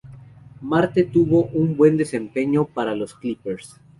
Marte tuvo un buen desempeño para los Clippers.